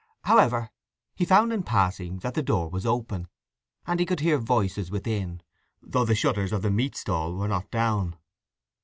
However, he found in passing that the door was open, and he could hear voices within, though the shutters of the meat stall were not down.